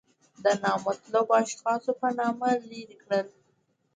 د نامطلوبو اشخاصو په نامه لرې کړل.